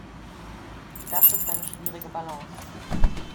Das ist eine schwierige Balance.